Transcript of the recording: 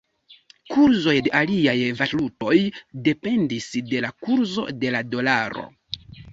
Kurzoj de aliaj valutoj dependis de la kurzo de la dolaro.